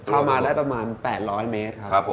เข้ามาได้ประมาณ๘๐๐เมตรครับผม